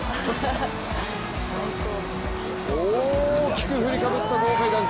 大きく振りかぶった豪快ダンク。